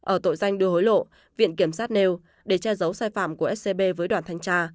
ở tội danh đưa hối lộ viện kiểm sát nêu để che giấu sai phạm của scb với đoàn thanh tra